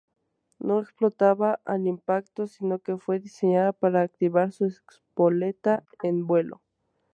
No explotaba al impacto, sino que fue diseñada para activar su espoleta en vuelo.